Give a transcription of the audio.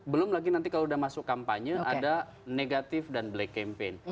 belum lagi nanti kalau sudah masuk kampanye ada negatif dan black campaign